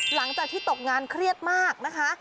หลังจากที่ตกงานเครียดมากนะคะ